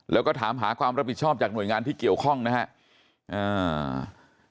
แล้วก็ถามหาความรับผิดชอบจากหน่วยงานที่เกี่ยวข้องนะครับ